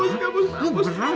lo berani minta gua